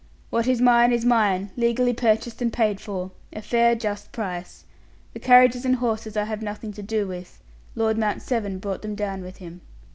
"What is mine is mine, legally purchased and paid for a fair, just price. The carriages and horses I have nothing to do with; Lord Mount Severn brought them down with him."